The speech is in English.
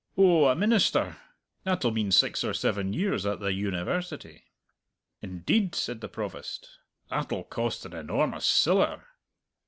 "Oh, a minister. That'll mean six or seven years at the University." "Indeed!" said the Provost. "That'll cost an enormous siller!"